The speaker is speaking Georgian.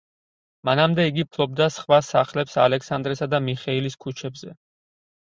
მანამდე იგი ფლობდა სხვა სახლებს ალექსანდრესა და მიხეილის ქუჩებზე.